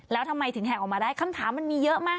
แล้วทำไมถึงแหกออกมาได้คำถามมันมีเยอะมาก